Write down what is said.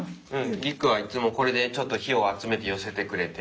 凌空はいつもこれでちょっと火を集めて寄せてくれて。